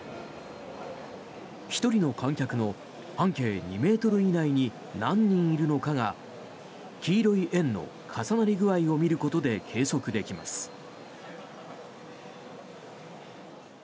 １人の観客の半径２ｍ以内に何人いるのかが黄色い円の重なり具合を見ることで、計測できます。